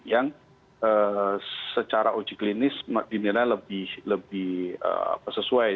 yang secara uji klinis dinilai lebih sesuai